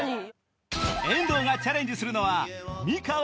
遠藤がチャレンジするのは